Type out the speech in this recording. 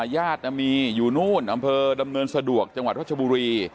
ญาติมีอยู่นู่นอำเภอดำเนินสะดวกจังหวัดรัชบุรี